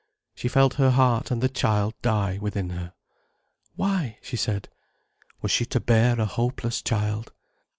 She felt her heart and the child die within her. "Why?" she said. Was she to bear a hopeless child?